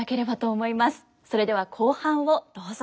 それでは後半をどうぞ。